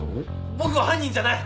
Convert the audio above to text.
僕は犯人じゃない！